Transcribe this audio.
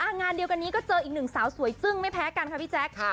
งานเดียวกันนี้ก็เจออีกหนึ่งสาวสวยจึ้งไม่แพ้กันค่ะพี่แจ๊ค